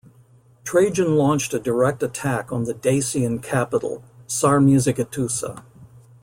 Trajan launched a direct attack on the Dacian capital, Sarmizegetusa.